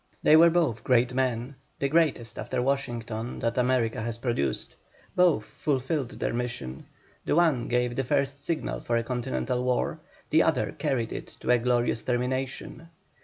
They were both great men, the greatest after Washington that America has produced. Both fulfilled their mission. The one gave the first signal for a continental war, the other carried it to a glorious termination.